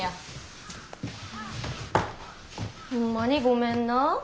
ホンマにごめんなあ。